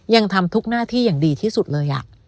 ยังทำทุกหน้าที่อย่างดีที่สุดเลย